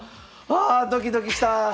あドキドキした！